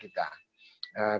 bisa diperoleh bisa diperoleh